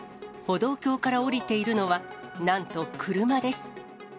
歩道橋から下りているのは、なんと車です。